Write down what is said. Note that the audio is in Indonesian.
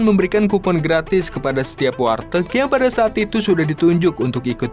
memberikan kupon gratis kepada setiap warteg yang pada saat itu sudah ditunjuk untuk ikut